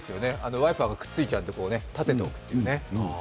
ワイパーがくっついちゃって立てとくっていうね。